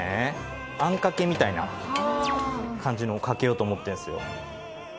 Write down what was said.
あんかけみたいな感じのをかけようと思ってるんですよ